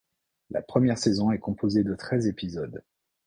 La première saison est composée de treize épisodes.